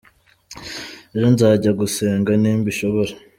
Ejo nzajya gusenga nimbishobora.